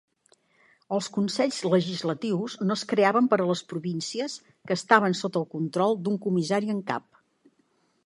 Els consells legislatius no es creaven per a les províncies que estaven sota el control d'un comissari en cap.